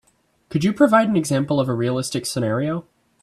Could you provide an example of a realistic scenario?